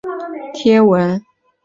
谨慎管理社团内贴文